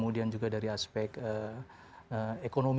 dari aspek ekonomi